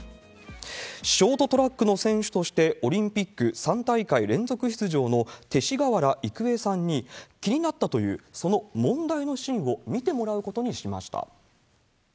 ショートトラックの選手として、オリンピック３大会連続出場の勅使川原郁恵さんに、気になったという、その問題のシーンを見てもらうことにしました。